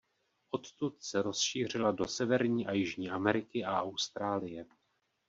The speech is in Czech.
Odtud se rozšířila do Severní a Jižní Ameriky a Austrálie.